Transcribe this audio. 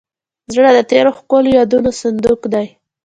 زړه د تېرو ښکلو یادونو صندوق دی.